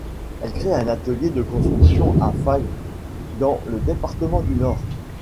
Elle crée un atelier de construction à Fives dans le département du Nord.